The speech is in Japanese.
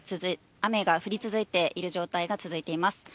雨が降り続いている状態が続いています。